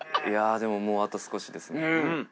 いやでももうあと少しです。